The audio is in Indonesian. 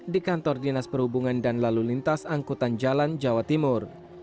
di kantor dinas perhubungan dan lalu lintas angkutan jalan jawa timur